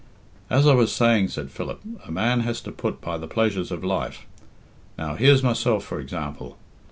"As I was saying," said Philip, "a man has to put by the pleasures of life. Now here's myself, for example.